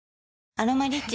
「アロマリッチ」